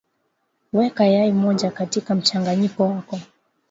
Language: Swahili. Weka yai moja katika mchanganyiko wako